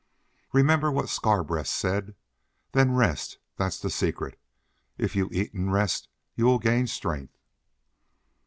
Remember what Scarbreast said. Then rest. That's the secret. If you eat and rest you will gain strength."